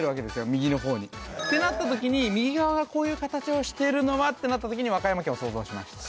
右の方にってなった時に右側がこういう形をしているのはってなった時に和歌山県を想像しました